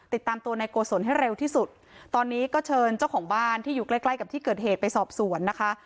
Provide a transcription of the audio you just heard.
ติดตามตัวนายโกศลให้เร็วที่สุดตอนนี้ก็เชิญเจ้าของบ้านที่อยู่ใกล้ใกล้กับที่เกิดเหตุไปสอบสวนนะคะ